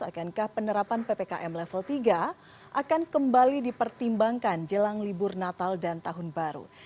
akankah penerapan ppkm level tiga akan kembali dipertimbangkan jelang libur natal dan tahun baru